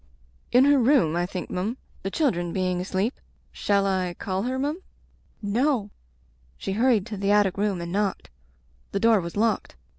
"In her room, I think, m'm; the children being asleep. Shall I call her, m'm ?" "No!" She hurried to the attic room and knocked. The door was locked.